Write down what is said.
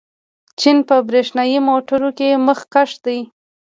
چین په برېښنايي موټرو کې مخکښ دی.